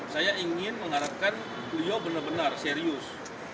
saya ingin mengharapkan beliau benar benar serius